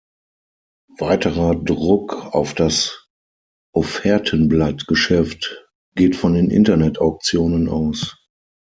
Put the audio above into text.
Weiterer Druck auf das Offertenblatt-Geschäft geht von den Internet-Auktionen aus.